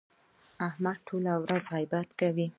احمد ټوله ورځ غیبت کوي.